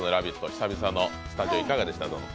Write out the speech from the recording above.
久々のスタジオ、いかがでした、ゾノ？